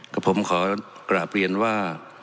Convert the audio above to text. ก็ผมขอกลับเรียนว่า